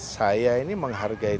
saya ini menghargai